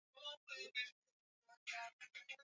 Magharibi ya Uingereza pia ni sehemu ya historia